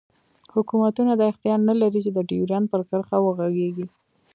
حوکمتونه دا اختیار نه لری چی د ډیورنډ پر کرښه وغږیږی